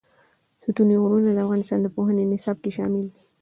ستوني غرونه د افغانستان د پوهنې نصاب کې شامل دي.